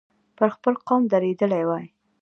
پر خپل قول درېدلی وای.